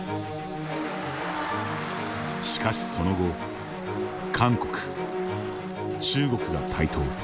しかしその後、韓国、中国が台頭。